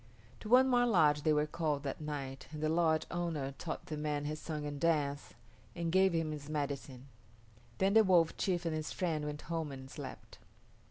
To one more lodge they were called that night and the lodge owner taught the man his song and dance, and gave him his medicine. Then the Wolf chief and his friend went home and slept.